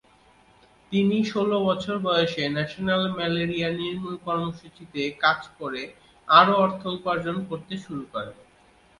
তিনি ষোল বছর বয়সে ন্যাশনাল ম্যালেরিয়া নির্মূল কর্মসূচিতে কাজ করে আরও অর্থ উপার্জন করতে শুরু করেন।